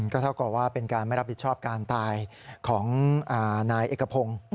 ก็เท่ากับว่าเป็นการไม่รับผิดชอบการตายของนายเอกพงศ์